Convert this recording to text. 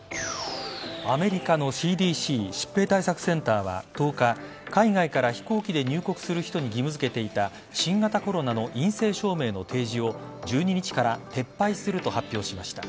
アメリカのＣＤＣ＝疾病対策センターは１０日海外から飛行機で入国する人に義務付けていた新型コロナの陰性証明の提示を１２日から撤退すると発表しました。